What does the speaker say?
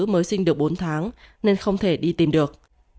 mới sinh được bốn tháng nên không thể đi tìm được